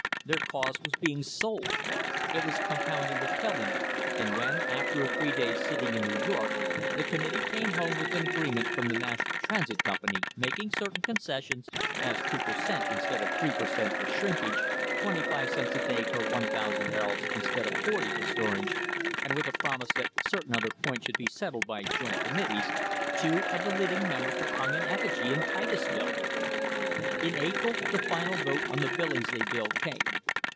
Their cause was being "sold." It was "compounding with felony," and when, after a three days' sitting in New York, the committee came home with an agreement from the National Transit Company, making certain concessions as two per cent, instead of three for shrinkage, twenty five cents a day per 1,000 barrels, in stead of forty, for storage, and with a promise that certain other points should be settled by joint committees two of the leading members were hung in effigy in Titusville! In April the final vote on the Billingsley Bill came.